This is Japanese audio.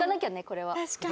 これは。